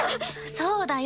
そうだよ